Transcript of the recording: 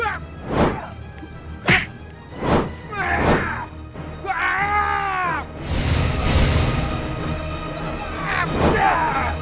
emang kejam tres